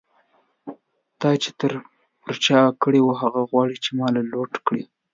تا چی سر په چا دو کړۍ، هغه غواړی چی ما لوټ کړی